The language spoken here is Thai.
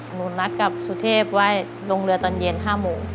หนูนัดกับสุเทพไว้ลงเรือตอนเย็น๕โมง